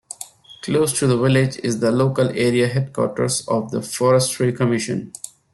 Close to the village is the local area headquarters of the Forestry Commission.